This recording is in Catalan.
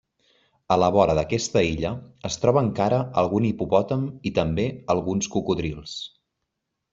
A la vora d'aquesta illa es troba encara algun hipopòtam i també alguns cocodrils.